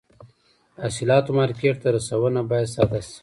د حاصلاتو مارکېټ ته رسونه باید ساده شي.